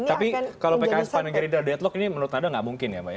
tapi kalau pks pan dan gerindra deadlock ini menurut anda nggak mungkin ya mbak ya